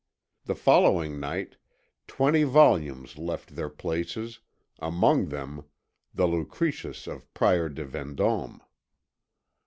The following night twenty volumes left their places, among them the Lucretius of Prior de Vendôme.